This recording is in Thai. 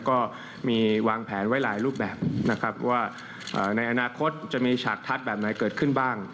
ก็มีวางแผนไว้หลายรูปแบบนะครับว่าในอนาคตจะมีฉากทัศน์แบบไหนเกิดขึ้นบ้าง